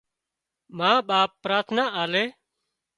ما ٻاپ پراٿنا آلي